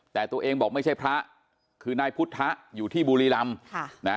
แต่ตัวเองบอกไม่ใช่พระคือนายพุทธอยู่ที่บุรีรำ